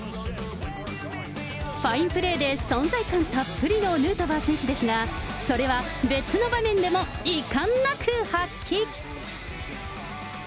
ファインプレーで存在感たっぷりのヌートバー選手ですが、それは別の場面でもいかんなく発揮。